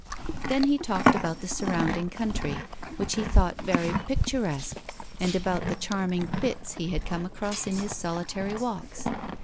Then he talked about the surrounding country, which he thought very " picturesque," and about the charming " bits " he had come across in his solitary walks.